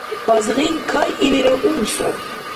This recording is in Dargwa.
Азгъин кайилира умсар.